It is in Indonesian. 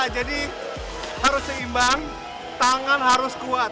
jadi harus seimbang tangan harus kuat